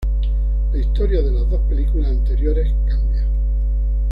La historia de las dos películas anteriores cambia.